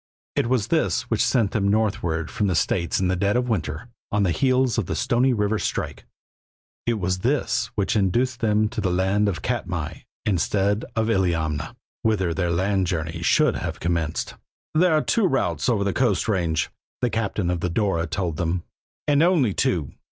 It was this which sent them northward from the States in the dead of winter, on the heels of the Stony River strike; it was this which induced them to land at Katmai instead of Illiamna, whither their land journey should have commenced. "There are two routes over the coast range," the captain of the Dora told them, "and only two.